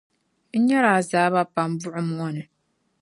n nyari azaaba pam buɣim ŋɔ ni.